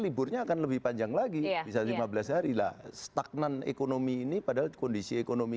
liburnya akan lebih panjang lagi bisa lima belas hari lah stagnan ekonomi ini padahal kondisi ekonomi